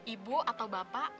ibu atau bapak bersedia